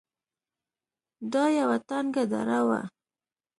دا يوه تنگه دره وه.